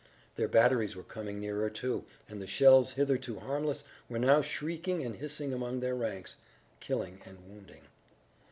Their batteries were coming nearer, too, and the shells hitherto harmless were now shrieking and hissing among their ranks, killing and wounding.